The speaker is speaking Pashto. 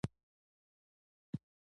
نړیواله جګړه پای ته رسېدلې.